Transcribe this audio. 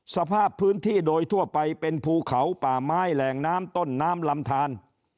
สภาพพื้นที่โดยทั่วไปเป็นภูเขาป่าไม้แหล่งน้ำต้นน้ำลำทาน